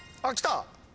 あっきた！